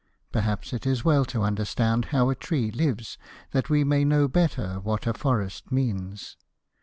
Perhaps it is well to understand how a tree lives, that we may know better what a forest means.